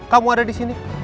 kamu ada disini